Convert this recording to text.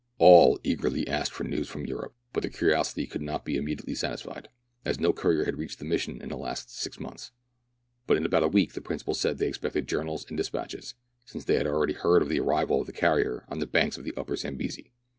All eagerly asked for news from Europe ; but their curiosity could not be immediately satisfied, as no courier had reached the mission in the last six months ; but in about a week the principal said they expected journals and despatches, since they had already heard of the arrival of a carrier on the banks of the Upper Zambesi.